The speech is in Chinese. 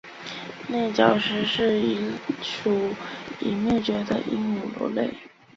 内角石是一属已灭绝的鹦鹉螺类。